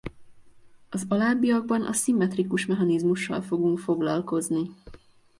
Az alábbiakban a szimmetrikus mechanizmussal fogunk foglalkozni.